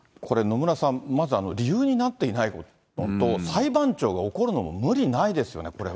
これ、野村さん、まず理由になっていないのと、裁判長が怒るのも無理ないですよね、